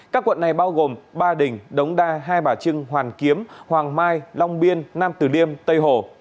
các quận này bao gồm ba đình đống đa hai bà trưng hoàn kiếm hoàng mai long biên nam tử liêm tây hồ